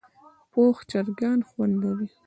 پوخ چرګ خوند لري